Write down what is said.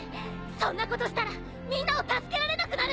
そんなことしたらみんなを助けられなくなる！